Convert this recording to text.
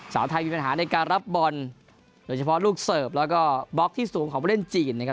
สาวไทยมีปัญหาในการรับบอลโดยเฉพาะลูกเสิร์ฟแล้วก็บล็อกที่สูงของผู้เล่นจีนนะครับ